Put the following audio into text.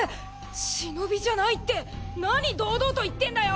忍じゃないって何堂々と言ってんだよ！